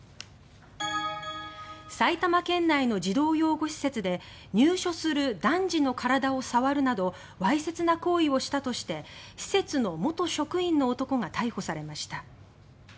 埼玉県内の児童養護施設で入所する男児の体を触るなどわいせつな行為をしたとして施設の元職員の男が逮捕されました。